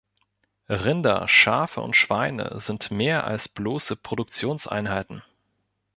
Rinder, Schafe und Schweine sind mehr als bloße Produktionseinheiten.